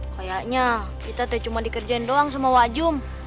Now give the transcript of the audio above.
kayaknya kita tuh cuma dikerjain doang sama wajum